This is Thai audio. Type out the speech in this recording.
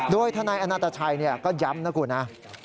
โดยทนัยอันตราชัยก็ย้ำนะครับ